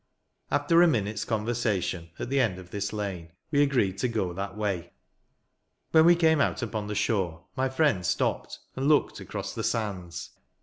After a minute's conversation, at the end of this lane, we agreed to go that way. When we came out upon the shore, my friend stopped, and looked across the sands.